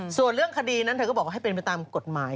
ส่วนเรื่องคดีนั้นเธอก็บอกว่าให้เป็นไปตามกฎหมาย